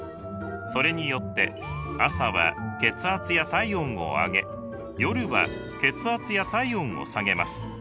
それによって朝は血圧や体温を上げ夜は血圧や体温を下げます。